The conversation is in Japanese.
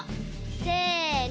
せの！